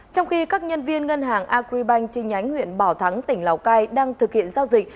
trong khi các nhân viên ngân hàng agribank chi nhánh huyện bảo thắng tỉnh lào cai đang thực hiện giao dịch